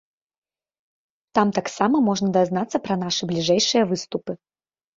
Там таксама можна дазнацца пра нашы бліжэйшыя выступы.